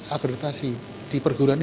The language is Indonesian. akreditasi di perguruan ini